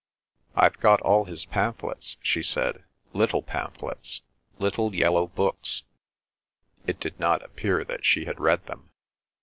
"I've got all his pamphlets," she said. "Little pamphlets. Little yellow books." It did not appear that she had read them.